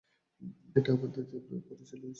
এটা আমাদের জন্য করেছি লুইস।